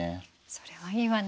それはいいわね。